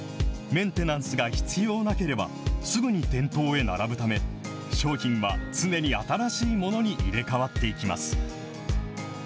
メンテナンスが必要なければ、すぐに店頭へ並ぶため、商品は常に新しいものに入れ代わっていきます。